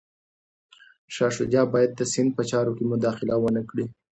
شاه شجاع باید د سند په چارو کي مداخله ونه کړي.